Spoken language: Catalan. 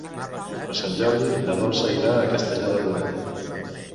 Per Sant Jordi na Dolça irà a Castelló de Rugat.